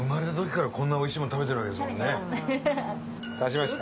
刺しました。